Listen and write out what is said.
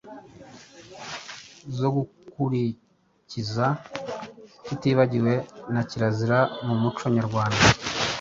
zo gukurikiza tutibagiwe na kirazira mu muco nyarwanda;